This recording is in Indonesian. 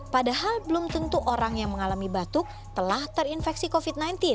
padahal belum tentu orang yang mengalami batuk telah terinfeksi covid sembilan belas